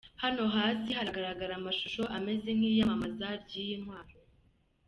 Hano hasi haragaragara amashusho ameze nk’iyamamaza ry’iyi ntwaro.